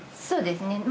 そうですね。